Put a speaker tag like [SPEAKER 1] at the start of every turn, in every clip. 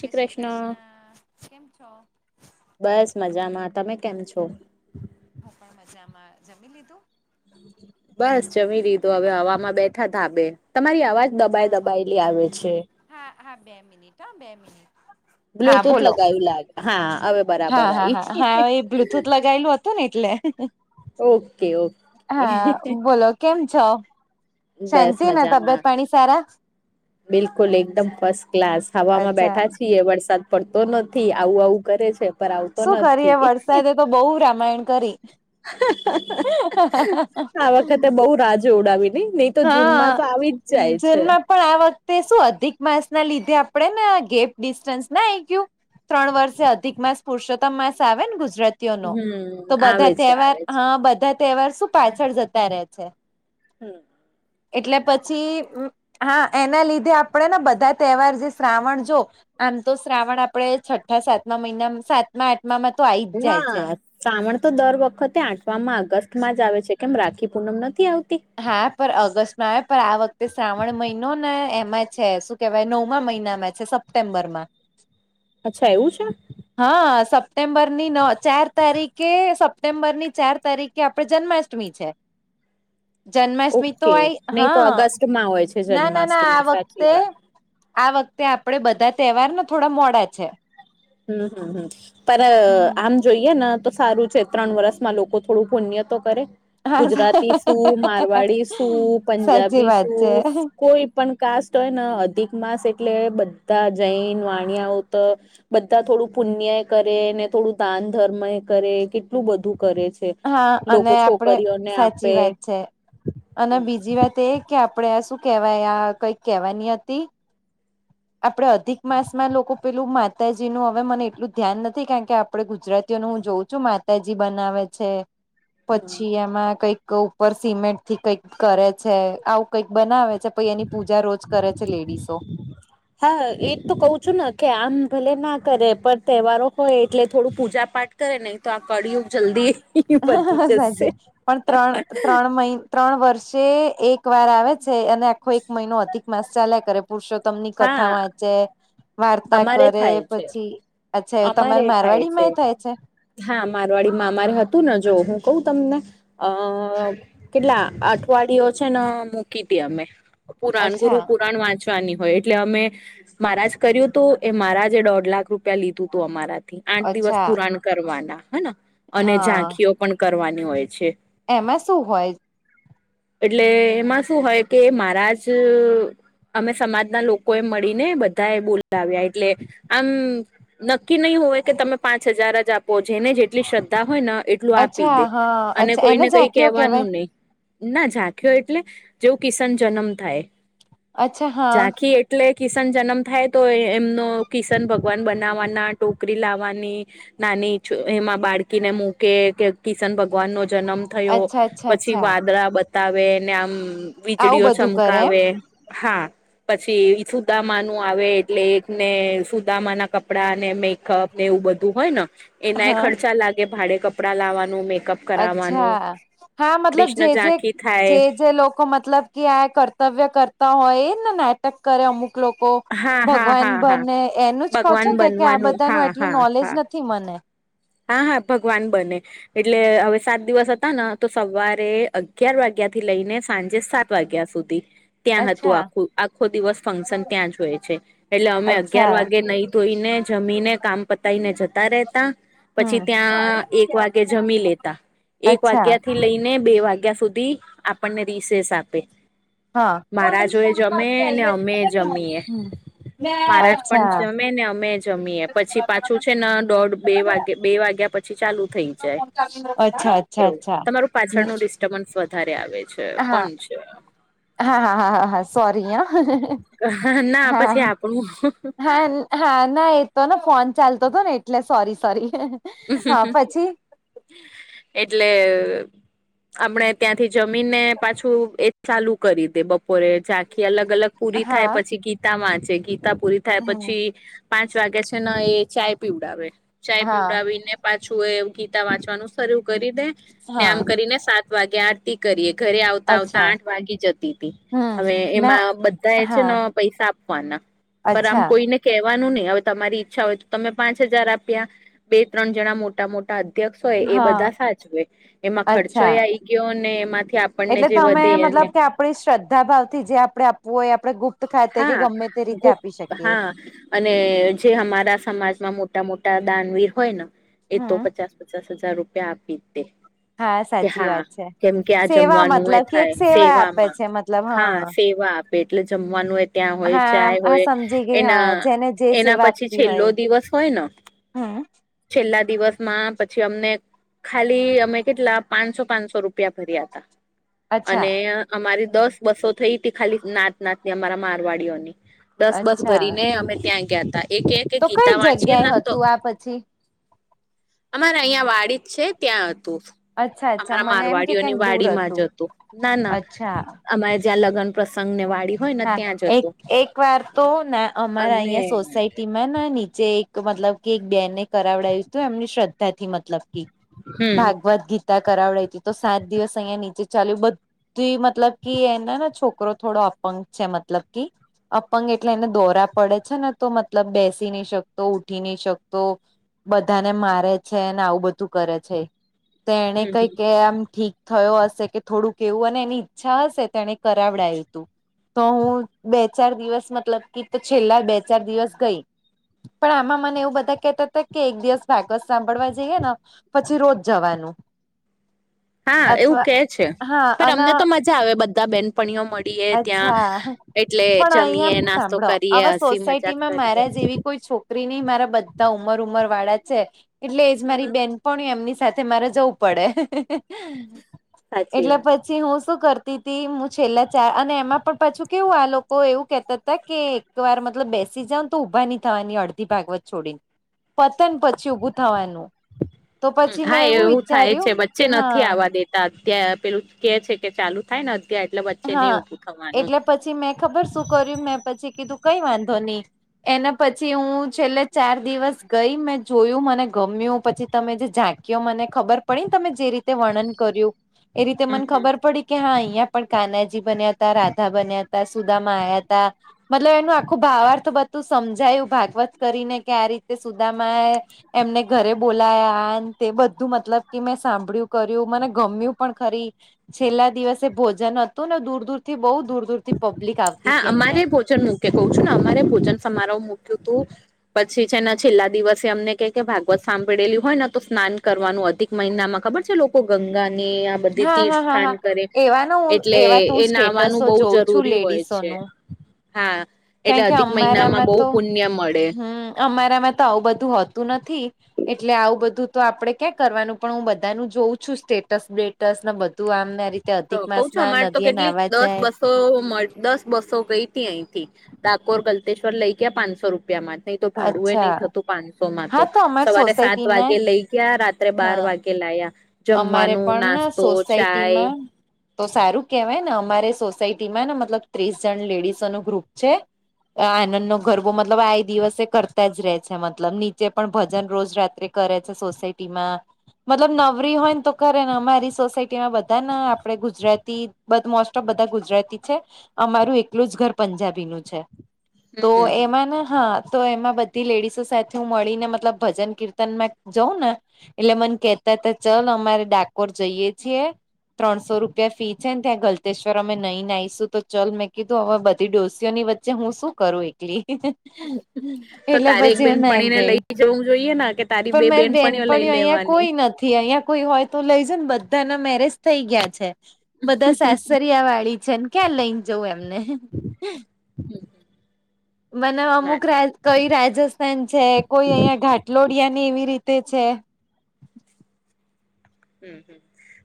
[SPEAKER 1] જય શ્રી કૃષ્ણ કેમ છો?
[SPEAKER 2] બસ મજામાં તમે કેમ છો?
[SPEAKER 1] હું પણ મજામાં જમી લીધું?
[SPEAKER 2] બસ જમી દીધું હવે હવામાં બેઠા ધાબે તમારી અવાજ દબાઈ
[SPEAKER 1] અચ્છા હ,
[SPEAKER 2] દબાયેલી આવે છે
[SPEAKER 1] હા, હા બે મિનિટ હા બે મિનિટ હા
[SPEAKER 2] બ્લુટૂથ
[SPEAKER 1] બોલો
[SPEAKER 2] લગાવ્યું લાગે હા હવે
[SPEAKER 1] હા,
[SPEAKER 2] બરાબર
[SPEAKER 1] હા,
[SPEAKER 2] આઈ
[SPEAKER 1] હા, હા એ બ્લુથુથ લગાવેલું હતું [unintelligible] એટલે
[SPEAKER 2] ઓકે ઓકે
[SPEAKER 1] હા બોલો કેમ છો?
[SPEAKER 2] બસ
[SPEAKER 1] શાંતિ ને
[SPEAKER 2] મજામાં
[SPEAKER 1] તબિયત પાણી સારા?
[SPEAKER 2] બિલકુલ એકદમ ફસ્ટ ક્લાસ હવામાં
[SPEAKER 1] અચ્છા
[SPEAKER 2] બેઠા છીએ વરસાદ પડતો નથી આવું આવું કરે છે. પર આવતો
[SPEAKER 1] શું કરીએ
[SPEAKER 2] નથી
[SPEAKER 1] વરસાદે તો બહુ રામાયણ કરી.
[SPEAKER 2] આ વખતે બહ રા જોડાવી ઉડાવી ને. તો જૂનમાં
[SPEAKER 1] હા
[SPEAKER 2] તો આવી જ જાય છે.
[SPEAKER 1] જૂનમાં પણ આ વખતે શું અધિક માસ ના લીધે આપણે ને ગેપ ડિસ્ટન્સ ના આવી ગયું. ત્રણ વર્ષે અધિક માસ પુરષોતમ માસ આવે ને ગુજરાત નો તો
[SPEAKER 2] હમ આવે
[SPEAKER 1] બધા
[SPEAKER 2] છે
[SPEAKER 1] તહેવાર
[SPEAKER 2] આવે છે
[SPEAKER 1] હા બધા તહેવાર શું પાછળ જતા રહે છે.
[SPEAKER 2] હમ
[SPEAKER 1] એટલે પછી હા એના લીધે આપણેે ને બધા તહેવાર જે શ્રાવણ જો આમ તો શ્રાવણ આપડે છઠ્ઠા સાતમા મહિના સાતમા આઠ મા મેં તો આ આવી
[SPEAKER 2] ના શ્રાવણ તો દર વખતે આઠમામાં અગસ્ટ માં જ આવે છે કેમ રાખી પૂનમ નથી આવતી
[SPEAKER 1] હા પણ ઓગસ્ટ નો આવે પણ આ વખતે શ્રાવણ મહિનો ને એમાં છે શું કેવાય નવમાં મહિનામાં છે સપ્ટેમ્બર માં
[SPEAKER 2] અચ્છા એવું છે.
[SPEAKER 1] હા સપ્ટેમ્બરની ન ચાર તારીખે સપ્ટેમ્બર ની ચાર તારીખે- કે આપડે જન્માષ્ટમી છે. જન્માષ્ટમી તો
[SPEAKER 2] ઓકે
[SPEAKER 1] આય
[SPEAKER 2] નહી તો
[SPEAKER 1] હા
[SPEAKER 2] અગસ્ટમાં હોય છે
[SPEAKER 1] ના ના ના આ
[SPEAKER 2] જન્માષ્ટમી સાચી વાત
[SPEAKER 1] વખતે- -આ વખતે આપડે બધા તહેવાર થોડા મોડા છે.
[SPEAKER 2] હમ હમ હમ [inaudible] પર
[SPEAKER 1] હમ
[SPEAKER 2] આમ જોઈએ ને તો સારું છે. ત્રણ વર્ષમાં લોકો થોડું પુણ્ય તો કરે- ગુજરાતી શું
[SPEAKER 1] હા
[SPEAKER 2] મારવાડી શું
[SPEAKER 1] સાચી
[SPEAKER 2] પંજાબી
[SPEAKER 1] વાત છે
[SPEAKER 2] શું કોઈ પણ કાસ્ટ હોય ને અધિક માસ એટલે બધા જૈન વાણિયાઓ તો બધા થોડું પુણ્ય એ કરે ને થોડું દાન ધર્મ એ કરે કેટલું બધું કરે છે.
[SPEAKER 1] હા અને
[SPEAKER 2] લોકો
[SPEAKER 1] આપડે
[SPEAKER 2] છોકરીઓને
[SPEAKER 1] સાચી
[SPEAKER 2] આપે
[SPEAKER 1] વાત છે. અને
[SPEAKER 2] હમ
[SPEAKER 1] બીજી વાત એ કે આપણેે આ શું કેવાય આ કંઈક કેહેવાની હતી. આપડે અધિક માસમાં લોકો પેલું માતાજી નું હવે મને એટલું ધ્યાન નથી કારણ કે આપડ ગુજરાતીઓને હું જોઉં છું માતાજી બનાવે છે.
[SPEAKER 2] હમ
[SPEAKER 1] પછી એમાં કઈક ઉપર સિમેન્ટ થી કઈક કરે છે આવું કઈક બનાવે છે. પછ એની પૂજા રોજ કરે છે લેડીસો [inaudible] [unintelligible]
[SPEAKER 2] હા એજ તો કું છું ને કે આમ ભલે ના કરે પણ તહેવારો હોય એટલે થોડું પૂજા પાઠ અરે નહીં તો આ ક્યું જલ્દી વધી જશે
[SPEAKER 1] સાજે પણ ત્રણ ત્રણ મહિ- ત્રણ વર્ષે એક વાર આવે છે. અને આખો એક મહિનો અધિક માસ ચાલ્યા કરે પુરુષો તમની કથા
[SPEAKER 2] હા
[SPEAKER 1] વાંચે વાર્તા
[SPEAKER 2] અમારે
[SPEAKER 1] કરે
[SPEAKER 2] થાય છે
[SPEAKER 1] પછી અચ્છા એવું
[SPEAKER 2] અમારે
[SPEAKER 1] તમારે
[SPEAKER 2] થાય
[SPEAKER 1] મારવાડી માંય થાય છે.
[SPEAKER 2] હા મારવાડી મામારે હતું ને જો હું કઉ તમને- અ કેટલા અઠવાડિયયો છે. ને મૂકી હતી અમે- પુરાણ ગુરુ
[SPEAKER 1] અચ્છા
[SPEAKER 2] પુરાણ વાંચ ની હોય એટલે અમે મારાજ કર્યું હતું. એ મારાજ દોઢ લાખ રૂપિયા લીધું તું અમારા. આઠ દિવસ
[SPEAKER 1] અચ્છા
[SPEAKER 2] પુરાણ કરવાના, હેના? અને
[SPEAKER 1] હા
[SPEAKER 2] ઝાંખીઓ પણ કરવાની હોય છે.
[SPEAKER 1] એમાં શું હોય?
[SPEAKER 2] એટલે એમાં શું હોય? કે મારા જ અમે સમાજના લોકો એ મળીને બધા એ બોલાવ્યા, એટલે આમ નક્કી નહીં હોય કે તમે પાંચ હજાર જ આપો. જેને જેટલી શ્રદ્ધા હોય ને, એ એટલું આપી
[SPEAKER 1] અચ્છા
[SPEAKER 2] દે,
[SPEAKER 1] હા
[SPEAKER 2] અને
[SPEAKER 1] અચ્છા એને
[SPEAKER 2] કોઈને કઈ
[SPEAKER 1] ઝાંકયો કેવાય
[SPEAKER 2] કહેવાનું નહીં. ના, ઝાંખ્યો એટલે જેવું કિશન જન્મ થાય,
[SPEAKER 1] અચ્છા હા
[SPEAKER 2] ઝાંખી એટલે એટલે કિશન જન્મ થાય તો એમનો કિશન ભગવાન બનાવવાના, ટોકરી લાવવાની. નાની એમાં બાળકીને મૂકે કે, કિશન ભગવાન નો જન્મ થયો
[SPEAKER 1] અચ્છા અચ્છા
[SPEAKER 2] પછી
[SPEAKER 1] અચ્છા
[SPEAKER 2] વાદળા બતાવે ને, આમ
[SPEAKER 1] આવું
[SPEAKER 2] વીજળીઓ
[SPEAKER 1] બધું કરે એમ
[SPEAKER 2] ચમકાવે. હા. પછી સુદામા નું આવે, એટલે એકને સુદામા ના કપડા ને મેકઅપ ને એવું બધું હોય ને, એનાય
[SPEAKER 1] હા
[SPEAKER 2] ખર્ચા લાગે. ભાડે કપડાં લાવવાનું, મેકઅપ કરાવવાનું
[SPEAKER 1] અચ્છા, હા. મતલબ
[SPEAKER 2] કૃષ્ણ
[SPEAKER 1] જે-જે,
[SPEAKER 2] ઝાંખી થાય
[SPEAKER 1] જે-જે લોકો, મતલબ કે આ કર્તવ્ય કરતા હોય, એ ને નાટક કરે, અમુક લોકો
[SPEAKER 2] હા હા
[SPEAKER 1] ભગવાન
[SPEAKER 2] હા હા
[SPEAKER 1] બને, એનું જ કહો
[SPEAKER 2] ભગવાન
[SPEAKER 1] છો? કે કે આ
[SPEAKER 2] બનવાનું
[SPEAKER 1] બધાનું
[SPEAKER 2] હા
[SPEAKER 1] એટલું
[SPEAKER 2] હા
[SPEAKER 1] નોલેજ
[SPEAKER 2] હા
[SPEAKER 1] નથી. કે મને
[SPEAKER 2] હા, હા. ભગવાન બને. એટલે હવે સાત દિવસ હતા ને, તો સવારે અગિયાર વાગ્યા થી લઈને સાંજે સાત વાગ્યા સુધી. ત્યાં હતું
[SPEAKER 1] અચ્છા
[SPEAKER 2] આખું આખો દિવસ ફંક્શન ત્યાં જ હોય છે, એટલે અમે અગયાર
[SPEAKER 1] અચ્છા
[SPEAKER 2] વાગે નહીં. ધોઈને, જમીને, કામ પતાઈ ને જતા રહેતા. પછી
[SPEAKER 1] હમ
[SPEAKER 2] ત્યાં એક વાગ્યે જમી લેતા. એક
[SPEAKER 1] અચ્છા
[SPEAKER 2] વાગયા થી લઈને બે વાગ્યા સુધી આપણને રિસેસ આપે.
[SPEAKER 1] હા
[SPEAKER 2] મારા જોએ જમે ને, અમે જમીએ.
[SPEAKER 1] હમ
[SPEAKER 2] મહારાજ પણ
[SPEAKER 1] અચ્છા
[SPEAKER 2] જમે ને અમે જમીએ. પછી પાછું છે ને, દોઢ- બે વાગે બે વાગ્યા પછી ચાલુ થઈ જાય.
[SPEAKER 1] અચ્છા અચ્છા
[SPEAKER 2] એવું
[SPEAKER 1] અચ્છા
[SPEAKER 2] તમારું પાછળનું? વધારે આવે છે,
[SPEAKER 1] હા
[SPEAKER 2] કોણ છે?
[SPEAKER 1] હા, હા, હા, હા, હા. સોરી! હા,
[SPEAKER 2] ના
[SPEAKER 1] હા.
[SPEAKER 2] પછી આપણું
[SPEAKER 1] હા, ના, એતો ને ફોન ચાલતો હતો ને, એટલે સોરી, સોરી, હે.
[SPEAKER 2] એટલે આપણે ત્યાંથી જમીન ને પાછું એ ચાલુ કરી દે. બપોરે ઝાંખી અલગ અલગ. પૂરી થાય.
[SPEAKER 1] હા
[SPEAKER 2] પછી ગીતામાં છે. ગીતા પૂરી થાય
[SPEAKER 1] હમ
[SPEAKER 2] પછી પાંચ વાગ્યા છે ને, એ ચાય પીવડાવે. ચાય
[SPEAKER 1] હા
[SPEAKER 2] પીવડાવીને પાછું એ ગીતા વાંચવાનું શરૂ કરી દે ને. આમ
[SPEAKER 1] હા
[SPEAKER 2] કરીને સાત વાગે, આઠ કરીએ. ઘરે આવતા આવતા
[SPEAKER 1] અચ્છા
[SPEAKER 2] આઠ વાગી જતી હતી.
[SPEAKER 1] હમ
[SPEAKER 2] હવે
[SPEAKER 1] ના
[SPEAKER 2] એમાં બધા એ છે
[SPEAKER 1] હા
[SPEAKER 2] ને પૈસા આપવાના પર આમ
[SPEAKER 1] અચ્છા
[SPEAKER 2] કોઈને કહેવાનું નહીં. હવે તમારી ઈચ્છા હોય તો તમે પાંચ હજાર આપ્યા. બે-ત્રણ જણા મોટા મોટા અધ્યક્ષ હોય, એ
[SPEAKER 1] હા
[SPEAKER 2] બધા સાચા હોય. એમાં ખર્ચો
[SPEAKER 1] અચ્છા
[SPEAKER 2] એ આવી ગયો ને, એમાંથી આપ.
[SPEAKER 1] એટલે તમે, મતલબ કે, આપડી શ્રદ્ધા ભાવ થી જે આપડે આપવું હોય, આપણે ગુપ્ત તો ખાતે કે
[SPEAKER 2] હા
[SPEAKER 1] ગમે તે રીતે
[SPEAKER 2] ગુ
[SPEAKER 1] આપી શકીએ.
[SPEAKER 2] હા અને જે અમારા સમાજમાં મોટા મોટા દાનવીર હોય ને, એ તો
[SPEAKER 1] હમ
[SPEAKER 2] પચાસ પચાસ હજાર રૂપિયા આપી દે.
[SPEAKER 1] હા
[SPEAKER 2] કે
[SPEAKER 1] સાચી
[SPEAKER 2] હા,
[SPEAKER 1] વાત છે
[SPEAKER 2] કેમ કે આ
[SPEAKER 1] સેવા
[SPEAKER 2] જમવાનું એ
[SPEAKER 1] મતલબ કે એક
[SPEAKER 2] થાય,
[SPEAKER 1] સેવા આપે
[SPEAKER 2] સેવામાં.
[SPEAKER 1] છે મતલબ
[SPEAKER 2] હા, સેવા. પેટલે જમવાનું. ત્યાં હોય,
[SPEAKER 1] હા
[SPEAKER 2] ચાય
[SPEAKER 1] હા
[SPEAKER 2] હોય.
[SPEAKER 1] સમજી ગઈ
[SPEAKER 2] એના
[SPEAKER 1] હા જેને જે
[SPEAKER 2] એના પછી છેલ્લો દિવસ હોય ને
[SPEAKER 1] હમ.
[SPEAKER 2] છેલ્લા દિવસ માં પછી અમને ખાલી અમે કેટલા પાંચસો-પાંચસો રૂપિયા ભર્યા હતા.
[SPEAKER 1] અચ્છા
[SPEAKER 2] અને અમારી દસ બસો થઈ હતી ખાલી નાત નાત ની અમારા મારવાડીઓની દસ બસ ભરી
[SPEAKER 1] અચ્છા
[SPEAKER 2] ને અમે ત્યાં ગયા હતા એક એક
[SPEAKER 1] કઈ
[SPEAKER 2] ગીતા
[SPEAKER 1] જગ્યાએ
[SPEAKER 2] વાંચીએેને તો
[SPEAKER 1] હતું તો આ પછી
[SPEAKER 2] અમારે અહિયાં વાડી જ છે ત્યાં હતું
[SPEAKER 1] અચ્છા અચ્છા
[SPEAKER 2] અમારા
[SPEAKER 1] મને એમ કે
[SPEAKER 2] મારવાડીઓની
[SPEAKER 1] ક્યાંક દૂર
[SPEAKER 2] વાડી માં જ હતું ના ના
[SPEAKER 1] અચ્છા
[SPEAKER 2] અમારે જ્યાં લગન પ્રસંગ ને વાત
[SPEAKER 1] હા એક એક વાર તો ના અમારા
[SPEAKER 2] અને
[SPEAKER 1] અહિયાં સોસાયટી મેં નીચે એક મતલબ કે એક બેનને કરાવડાયું હતું એમની શ્રદ્ધા થી મતલબ કે
[SPEAKER 2] હમ
[SPEAKER 1] ભાગવદત ગીતા કરાવડાઈ હતી તો સાત દિવસ અહિયાંયા નીચે ચાલ્યું બધુ ત મતલબ કે એને ને છોકરો થોડો અપંગ છે મતલબ કે અપંગ એટલે એને દોરા પડે છે ને તો મતલબ બેસી નહી શકતો ઉઠી નહી શકતો બધાને મારે છે આવું બધું કરે છે તો એને
[SPEAKER 2] હમ
[SPEAKER 1] કઈ કે આમ ઠીક થયો હશે કે થોડુંક એવું અને એની ઈચ્છા હશે એને કરાવડાય તું તો હું બે ચાર દિવસ મતલબ કે તો છેલ્લા બે ચાર દિવસ ગઈ પણ આમાં મને એવું બધા કેતા હતા કે એક દિવસ ભાગવત સાંભળવા જઈએ ને પછી રોજ જવાનું
[SPEAKER 2] હા, એવું
[SPEAKER 1] અથવા
[SPEAKER 2] કે છે,
[SPEAKER 1] હા
[SPEAKER 2] પણ
[SPEAKER 1] અને
[SPEAKER 2] અમને તો મજા આવે બધા બેનપણીઓ મળ
[SPEAKER 1] અચ્છા, પણ અહીંયા
[SPEAKER 2] જમીએ
[SPEAKER 1] આમ
[SPEAKER 2] નાસ્તો
[SPEAKER 1] સાંભળો અવ
[SPEAKER 2] કરીએ હસી મજાક
[SPEAKER 1] સોસાયટીમાં
[SPEAKER 2] કરીએ
[SPEAKER 1] મારા જેવી કોઈ છોકરી ની, મારા બધા ઉંમર-ઉંમર વાળા છે એટલે એજ મારી બેન પણીઓ એમની સાથે મારે જવું પડે,
[SPEAKER 2] સાચી
[SPEAKER 1] એટલે
[SPEAKER 2] વાત
[SPEAKER 1] પ છી હુ શું કરતી તી મુ છેલ્લે ચા અને એમાં પણ પાછું કેવું આ લોકો એવું કેહતા તા કે એકવાર મતલબ બેસી જાવન તો ઊભા નઈ થવાની અડ ધી ભાગવત છોડી ન, પત ન પછી ઉભું થવાનું. તો
[SPEAKER 2] હમ,
[SPEAKER 1] પછી
[SPEAKER 2] હા
[SPEAKER 1] મેં
[SPEAKER 2] એવું થાય છે,
[SPEAKER 1] વિચાર્યું
[SPEAKER 2] વચ્ચે
[SPEAKER 1] હા
[SPEAKER 2] નથી આવા દે તા ત્યા પેલું કે છે કે ચાલુ થાય ન અત્યા એટલે વચ્ચે
[SPEAKER 1] હા
[SPEAKER 2] ની ઊભું થવાનું.
[SPEAKER 1] એટલે પછી મેં ખબર શું કર્યું? મેં પછી કીધું કઈ વાંધો ની. એના પછી હું છેલ્લે ચાર દિવસ ગઈ, મેં જોયું, મને ગમ્યું પછી તમે જે ઝાંક્યો મને ખબર પડીન તમે જે રીતે વર્ણન કર્યું એ રીતે
[SPEAKER 2] હમ
[SPEAKER 1] મને
[SPEAKER 2] હમ
[SPEAKER 1] ખબર પડી કે હા અહિયા પણ કાનાજી બન્યા તા, રાધા બન્યા તા, સુદામા આયા તા મતલબ એમનું આખું ભાાવર્થ બધું સમજાયું ભાગવત કરીને કે, આ રીતે સુદામા એમને ઘરે બોલાયા આન તે બધું મતલબ કે, મેં સાંભળ્યું કર્યું, મને ગમ્યું પણ ખરી. છેલ્લા દિવસે ભોજન હતું ને દૂર-દૂરથી બઉ દૂર-દૂરથી
[SPEAKER 2] હા, અમારેય ભોજન મૂકે, કઉ છું ને અમારે ભોજન સમારોહ મૂક્યું તું. પછી છેને છેલ્લા દિવસે અમને કે કે, ભાગવત સાંભળેલું હોય ને તો સ્નાન કરવાનું, અધિક મહિનામાં ખબર છે, લોકો ગંગાને બધી
[SPEAKER 1] હા
[SPEAKER 2] તીર્થ
[SPEAKER 1] હા હા
[SPEAKER 2] સ્થાન
[SPEAKER 1] હા.
[SPEAKER 2] કરે
[SPEAKER 1] એવાનો હું
[SPEAKER 2] એટલે
[SPEAKER 1] એવા તો હું
[SPEAKER 2] એ નાવાનું
[SPEAKER 1] સ્ટેટસો
[SPEAKER 2] બઉ
[SPEAKER 1] જોઉં છું
[SPEAKER 2] જરૂરી હોય. છે
[SPEAKER 1] લેડીસોનું.
[SPEAKER 2] હા, એટલે
[SPEAKER 1] કારણ કે
[SPEAKER 2] અધિક મહિનામાં
[SPEAKER 1] અમારામાં
[SPEAKER 2] બઉ
[SPEAKER 1] તો
[SPEAKER 2] પુણ્ય મળે.
[SPEAKER 1] હમ અમારામાં તો આવું બધું હોતુ નથી. એટલે આવું બધું તો આપડે ક્યાં કરવાનું પણ હું બધાનું જોઉં છું, સ્ટેટસ બેટસને બધું આમ મેરી
[SPEAKER 2] તો કઉ છું, અમારે તો કેટલી દસ બસો મળ દસ બસો ગઈતી અહીંથી ડાકોર ગલ્તેશ્વર લઈ ગયા પાનસો રૂપિયામાં. નઈ તો ભાડુંય નઈ
[SPEAKER 1] અચ્છા
[SPEAKER 2] થતું પાનસોમાં તો
[SPEAKER 1] હા અમાર
[SPEAKER 2] સવારે સાત
[SPEAKER 1] સોસાયટી ને
[SPEAKER 2] વાગે લઈ ગયા રાત્રે બાર
[SPEAKER 1] હા.
[SPEAKER 2] વાગે કે લાયા,
[SPEAKER 1] અમારે
[SPEAKER 2] જમવાનું,
[SPEAKER 1] પણ ને
[SPEAKER 2] નાસ્તો, ચાય
[SPEAKER 1] સોસાયટીમાં તો સારું કેહેવાયને અમારે સોસાયટીમાં ને મતલબ ત્રીસ જન લેડીસોનું ગ્રુપ છે એ આનંદનો ગરબો મતલબ આ દિવસે કરતા જ રહે છે મતલબ, નીચે પણ ભજન રોજ રાત્રે કરે છે સોસાયટીમાં, મતલબ નવ ફ્રી હોય ન તો કરે ને અમારી સોસાયટીમાં બધાન આપડે ગુજરાતી બ મોસ્ટ ઓફ બધા ગુજરાતી છે અમારું એકલું જ ઘર પંજાબીનું છે, તો
[SPEAKER 2] હમ હમ હમ
[SPEAKER 1] એમાં ન હા તો એમાં બધી લેડીસો સાથે હું મળીને મતલબ ભજન કીર્તનમાં જઉ ને એટલે મન કેતા તા ચલ અમારે ડાકોર જઈએ છીએ ત્રણસો રૂપિયા ફી છે ને ત્યાં ગલતેશ્વર અમે નઈન આઈશું તો ચલ, મેં કીધું અવે બધી ડોસીઓની વ ચે હું શું કરું એકલી.
[SPEAKER 2] તો
[SPEAKER 1] એટલે
[SPEAKER 2] તારે એક
[SPEAKER 1] પછી હું ના
[SPEAKER 2] બેનપણીને
[SPEAKER 1] ગઈ,
[SPEAKER 2] લઈ જવું જોઈએ ને કે તારી
[SPEAKER 1] પણ
[SPEAKER 2] બે
[SPEAKER 1] મારી
[SPEAKER 2] લઈ
[SPEAKER 1] બેનપણીઓ અહિયા
[SPEAKER 2] લેવાની
[SPEAKER 1] કોઈ નથી અહિયાં કોઈ હોય તો લઈ જવ ન બધાના મેરેજ થઈ ગયા છે. બધા સાસરિયા વાળી છે ન, ક્યાં લઈન જવ એમને.
[SPEAKER 2] હમ.
[SPEAKER 1] મને અમુક રા કઈ રાજસ્થાન છે, કોઈ અહિયાં ઘાટલોડિયાને એવી રીતે છે.
[SPEAKER 2] હમ્મ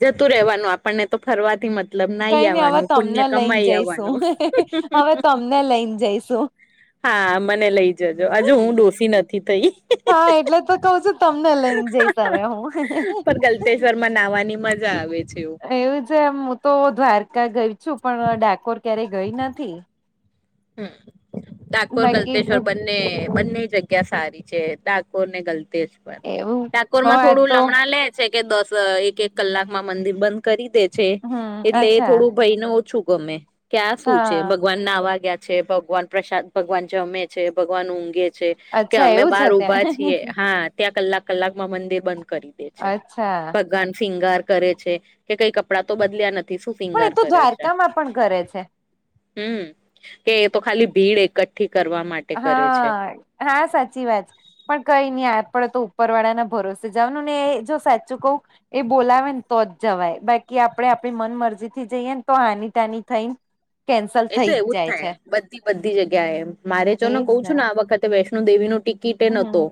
[SPEAKER 2] જતું રેવાનું આપણને તો ફરવાથી મથ મતલબ નાહી
[SPEAKER 1] કઈ નઈ હવે
[SPEAKER 2] આવાનું પુણ્ય
[SPEAKER 1] તમને
[SPEAKER 2] કમાઈ આવવાનું.
[SPEAKER 1] ના લઈને જઈશું.
[SPEAKER 2] હા મને લઈ જજો હજુ હું ડોસી નથી થઈ.
[SPEAKER 1] હા, એટલે તો કઉ છું, તમને લઈન જઈશ હવે હું.
[SPEAKER 2] ગલ્તેશ્વરમાં નાવાની મજા આવે છે એવુ.
[SPEAKER 1] તે મુ તો દ્વારકા ગઈ છું, પણ ડાકોર ક્યારેય ગઈ નથી.
[SPEAKER 2] હમ, ડાકોર
[SPEAKER 1] બાકી
[SPEAKER 2] ગલ્તેશ્વર બન્ને-બન્ને જગ ક્યા સારી છે, ડાકોરને ગલતેશ્વર.
[SPEAKER 1] એવું હો
[SPEAKER 2] ડાકોરમાં
[SPEAKER 1] આ
[SPEAKER 2] થોડું
[SPEAKER 1] તો
[SPEAKER 2] લમણા લે છે કે દસ એક-એક કલાકમાં મંદિર બન કરી દે છે
[SPEAKER 1] હમ
[SPEAKER 2] એટલે એ
[SPEAKER 1] અચ્છા
[SPEAKER 2] થોડું ભયને ઓછું ગમે કેયા શું છે
[SPEAKER 1] હા
[SPEAKER 2] ભગવાન નાવા ગયા છે ભગવાન પ્રશાંત ભગવાન જમે છે ભગવાન ઊઘે છે કે
[SPEAKER 1] અચ્છા
[SPEAKER 2] અમે
[SPEAKER 1] એવું છે
[SPEAKER 2] બાર ઉભા
[SPEAKER 1] ત્યાં
[SPEAKER 2] છીએ હા. ત્યાં કલાક કલાક માં મંદિર બંધ કરી દે છે
[SPEAKER 1] અચ્છા
[SPEAKER 2] ભગવાન શિંગાર કરે છે કે કઈ કપડાં તો બદલ્યા. [unintelligible]
[SPEAKER 1] એ તો દ્વારકા માં પણ કરે છે.
[SPEAKER 2] હમ્મ. કે એ તો ખાલી ભીડ એકઠી કરવા માટે કરે છે
[SPEAKER 1] હા હા સાચી વાત પણ કઈ નહી આ પડે તો ઉપર વાળા ના ભરોસે જાવનું ને જો સાચું કવું. એ બોલાવે ને તો જ જવાય બાકી આપડણે આપણી મન મરજી થી જઈએને તો હાની ટાની થાઈ. કેન્સલ
[SPEAKER 2] એ તો
[SPEAKER 1] થઈ જ
[SPEAKER 2] એવું
[SPEAKER 1] જાય
[SPEAKER 2] થાય
[SPEAKER 1] છે
[SPEAKER 2] બધી બધી જગ્યા એમ મારે ચો ને કહ છું ને આ વખતે વૈષ્ણો દેવી નો ટિકિટ એ
[SPEAKER 1] હમ
[SPEAKER 2] નતો.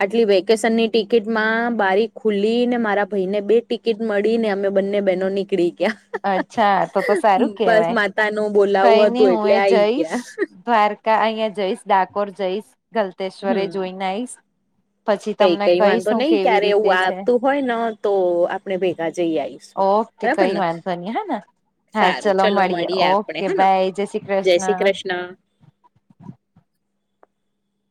[SPEAKER 2] આટલી વેકેશનની ટિકિટ માં બારીક ખુલી ને મારા ભાઈ ને બે ટિકિટ મળી ને અમે બંને બહેનો નીકળી ગયા.
[SPEAKER 1] અચ્છા તો તો સારું
[SPEAKER 2] બસ
[SPEAKER 1] કેહેવાય
[SPEAKER 2] માતા નું
[SPEAKER 1] કઈ
[SPEAKER 2] બોલાવું
[SPEAKER 1] નહી
[SPEAKER 2] હતું
[SPEAKER 1] હું
[SPEAKER 2] એટલે
[SPEAKER 1] એ
[SPEAKER 2] આઈ
[SPEAKER 1] જઈશ
[SPEAKER 2] ગયા
[SPEAKER 1] દ્વારકા અહિયાં જઈશ ડાકોર જઈશ ગલતશ્વર એ
[SPEAKER 2] હમ
[SPEAKER 1] જોઈને આવીશ.
[SPEAKER 2] કઈ કઈ વાંધો નઈ ક્યારે એવું
[SPEAKER 1] રીતે છે
[SPEAKER 2] આવતું હોય ને તો આપણે ભેગા જઈ આવીઈશું.
[SPEAKER 1] તે કઈ વાંધો નહી હા હા
[SPEAKER 2] સારું
[SPEAKER 1] ચલો મળીએ
[SPEAKER 2] આપણે
[SPEAKER 1] ઓકે
[SPEAKER 2] હેને
[SPEAKER 1] બાય જય શ્રી
[SPEAKER 2] જય શ્રી
[SPEAKER 1] કૃષ્ણ.